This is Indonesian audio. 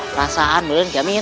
perasaan men kik yamin